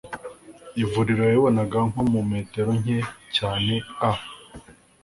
ivuriro yaribonaga nko mu metero nke cyane a